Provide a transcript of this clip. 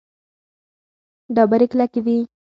ډبرې کلکې دي.